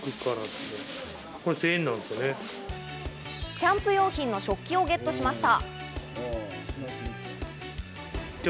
キャンプ用品の食器をゲットしました。